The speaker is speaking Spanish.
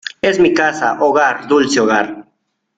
es mi casa. hogar, dulce hogar .